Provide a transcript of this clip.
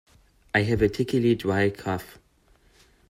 I have a tickily dry cough.